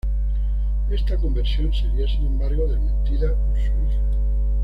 Esta conversión sería sin embargo desmentida por su hija.